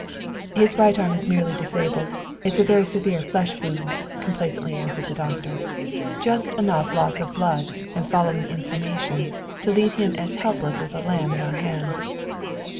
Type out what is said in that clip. "His right arm is merely disabled! It's a very severe flesh wound," complacently answered the doctor. "Just enough loss of blood and following inflammation to leave him as helpless as a lamb in our hands."